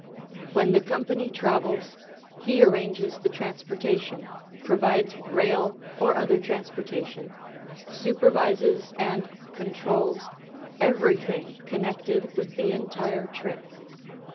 When the company travels, he arranges the transportation, provides rail or other transportation, supervises and controls everything connected with the entire trip.